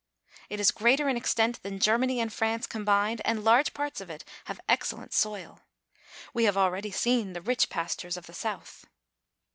It is greater in extent than Germany and France combined, and large parts of it have excellent soil. We have already seen the rich pastures of the south.